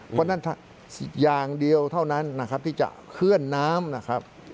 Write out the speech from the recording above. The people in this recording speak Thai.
เพราะฉะนั้นอย่างเดียวเท่านั้นนะครับที่จะเคลื่อนน้ำนะครับ